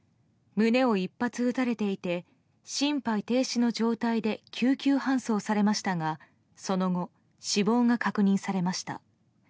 胸を１発撃たれていて心肺停止の状態で救急搬送されましたがその後、死亡が確認されました。